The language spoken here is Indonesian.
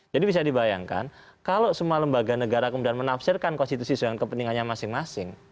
jadi bisa dibayangkan kalau semua lembaga negara kemudian menafsirkan konstitusi dengan kepentingannya masing masing